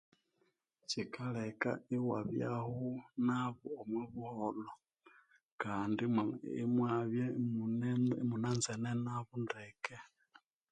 Kyikaleka iwabyaho nabo omwa buholho kandi imwabya imunanzene nabo ndeke.